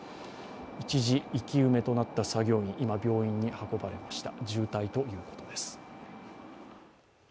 一時生き埋めとなった作業員、今、病院に運ばれました、重体ということです。